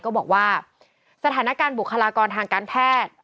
ก็บอกว่าสถานการณ์บุคลากรทางการแพทย์